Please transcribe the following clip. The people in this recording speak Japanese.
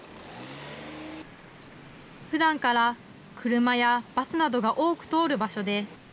ふだんから車やバスなどが多く通る場所です。